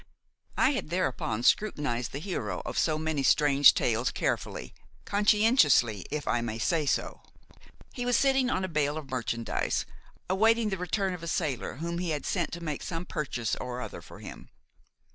I had thereupon scrutinized the hero of so many strange tales carefully–conscientiously, if I may say so. He was sitting on a bale of merchandise, awaiting the return of a sailor whom he had sent to make some purchase or other for him.